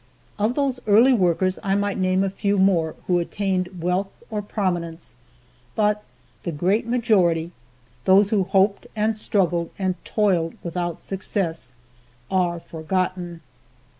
Of these early workers I might name a few more who attained wealth or prominence; but the great majority those who hoped and struggled and toiled without success, are forgotten.